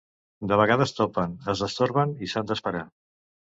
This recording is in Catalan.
De vegades topen, es destorben i s'han d'esperar.